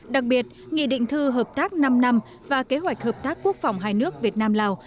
đặc biệt nghị định thư hợp tác năm năm và kế hoạch hợp tác quốc phòng hai nước việt nam lào